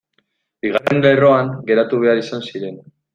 Bigarren lerroan geratu behar izan ziren.